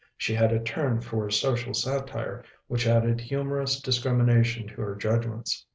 She had a turn for social satire which added humorous discrimination to her judgments.